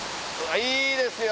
いいですよ！